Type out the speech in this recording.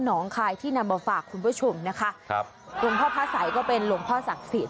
งคายที่นำมาฝากคุณผู้ชมนะคะครับหลวงพ่อพระสัยก็เป็นหลวงพ่อศักดิ์สิทธิ